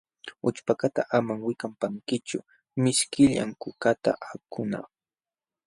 Ućhpakaqta amam wikapankichu, mishkillam kukata akunapq.